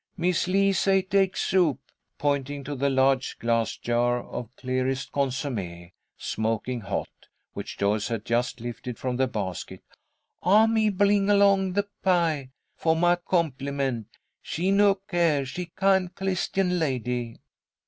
"Mis' Lee say take soup," pointing to the large glass jar of clearest consommé, smoking hot, which Joyce had just lifted from the basket. "I, me, bling along the pie, for my compli_ment_. She no care. She kind, Clistian lady."